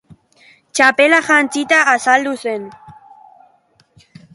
Txapela jantzita azaldu zen.